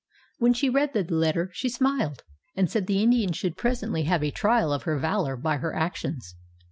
When she read the letter, she smiled, and said the Indian should presently have a trial of her valor by her actions.